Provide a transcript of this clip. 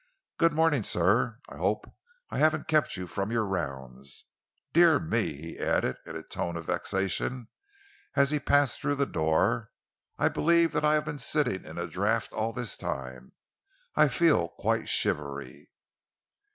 Good morning, sir. I hope I haven't kept you from your rounds. Dear me!" he added, in a tone of vexation, as he passed through the door, "I believe that I have been sitting in a draught all the time. I feel quite shivery."